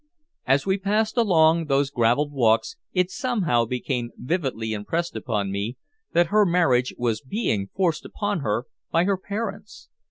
As we passed along those graveled walks it somehow became vividly impressed upon me that her marriage was being forced upon her by her parents.